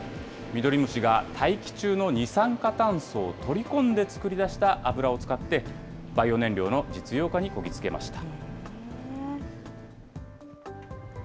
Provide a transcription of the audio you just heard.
ミドリムシが大気中の二酸化炭素を取り込んで作り出した油を使って、バイオ燃料の実用化にこぎ着けました。